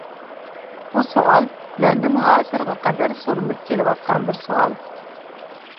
بۇ سوئال مەندىن ھازىرغا قەدەر سورىلىپ كېلىۋاتقان بىر سوئال.